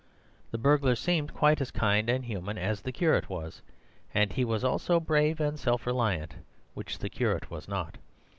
The burglar seemed quite as kind and human as the curate was— and he was also brave and self reliant, which the curate was not.